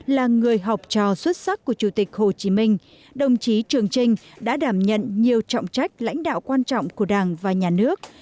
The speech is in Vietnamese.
là người học trò xuất sắc của chủ tịch hồ chí minh đồng chí trường trinh đã đảm nhận nhiều trọng trách lãnh đạo quan trọng của đảng và nhà nước